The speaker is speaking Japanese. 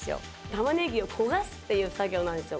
「玉ねぎを焦がすっていう作業なんですよ」